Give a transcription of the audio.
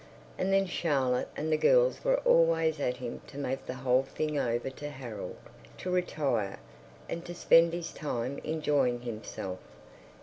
And then Charlotte and the girls were always at him to make the whole thing over to Harold, to retire, and to spend his time enjoying himself.